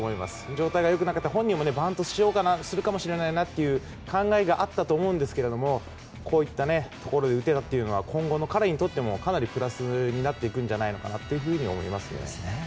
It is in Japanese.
状態が良くなかった本人もバントするかもしれないという考えがあったかもしれないですがこういうところで打てたのは今後の彼にとってもかなりプラスになっていくと思います。